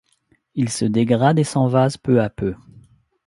Il se dégrade et s’envase peu à peu.